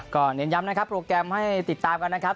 ก็เน้นย้ำนะครับโปรแกรมให้ติดตามกันนะครับ